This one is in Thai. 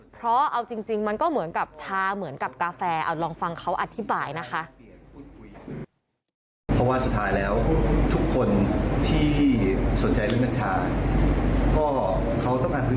เพราะเอาจริงมันก็เหมือนกับชาเหมือนกับกาแฟเอาลองฟังเขาอธิบายนะคะ